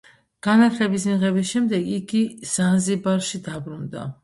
განათლების მიღების შემდეგ იგი ზანზიბარში დაბრუნდა.